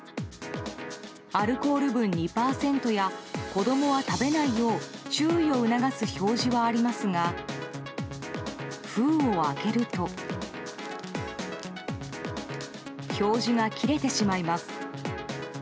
アルコール分２％や子供は食べないよう注意を促す表示はありますが封を開けると表示が切れてしまいます。